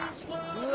うわ！